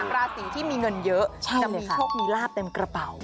ราศีที่มีเงินเยอะจะมีโชคมีลาบเต็มกระเป๋า